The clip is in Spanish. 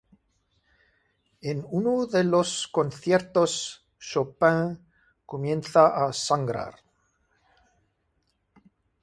En uno de los conciertos, Chopin comienza a sangrar.